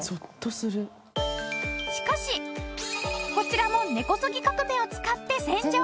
しかしこちらも根こそぎ革命を使って洗浄。